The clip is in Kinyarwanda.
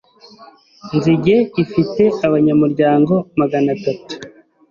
Nzige ifite abanyamuryango maganatatu